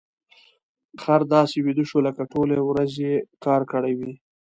خر داسې ویده شو لکه ټولې ورځې يې کار کړی وي.